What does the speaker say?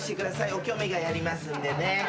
おきょめがやりますんでね